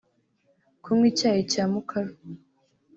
Kunywa icyayi cya mukaru